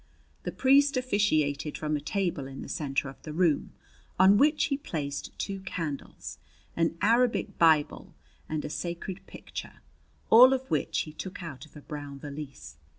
The priest officiated from a table in the center of the room, on which he placed two candles, an Arabic Bible, and a sacred picture, all of which he took out of a brown valise.